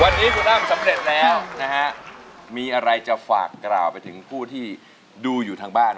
วันนี้คุณอ้ำสำเร็จแล้วนะฮะมีอะไรจะฝากกล่าวไปถึงผู้ที่ดูอยู่ทางบ้าน